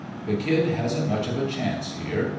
The kid hasn't much of a chance here.